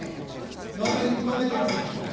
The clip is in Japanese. で俺に止めてくれっちゅうんかい。